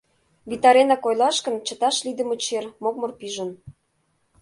Витаренак ойлаш гын, чыташ лийдыме чер — мокмыр пижын.